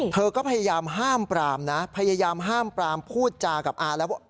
เธอก็พยายามห้ามปรามนะพยายามห้ามปรามพูดจากับอาแล้วว่า